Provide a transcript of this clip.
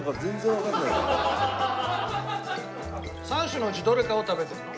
３種のうちどれかを食べてるの？